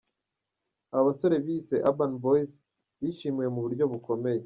Aba basore biyise 'Urban Boys' bishimiwe mu buryo bukomeye.